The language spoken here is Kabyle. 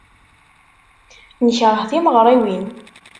Nekṛeh timeɣriwin.